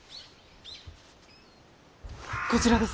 こちらです。